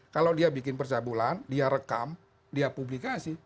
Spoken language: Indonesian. kalau dia bikin percabulan dia rekam dia publikasi